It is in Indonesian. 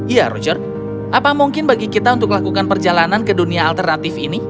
ya roger apa mungkin bagi kita untuk lakukan perjalanan ke dunia alternatif ini